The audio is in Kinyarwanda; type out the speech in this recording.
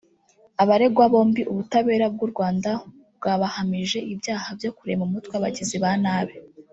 Abaregwa bombi ubutabera bw’u Rwanda bwabahamije ibyaha byo kurema umutwe w’abagizi ba nabi